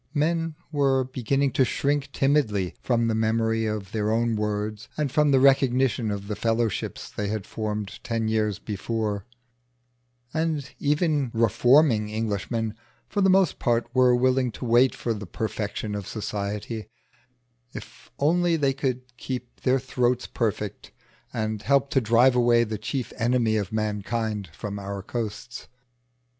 Men were beginning to shrink timidly from the memory of their own words and from the recognition of the fellowships they had formed ten years before; and even reforming Englishmen for the most part were willing to wait for the perfection of society, if only they could keep their throats perfect and help to drive away the chief enemy of mankind from our coasts.